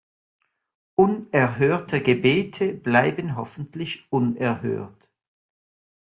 Unerhörte Gebete bleiben hoffentlich unerhört.